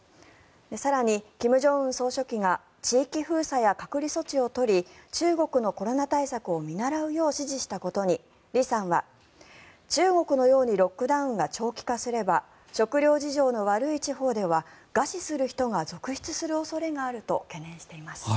更に金正恩総書記が地域封鎖や隔離措置を取り中国のコロナ対策を見習うよう指示したことに李さんは、中国のようにロックダウンが長期化すれば食糧事情の悪い地方では餓死する人が続出する恐れがあると懸念しています。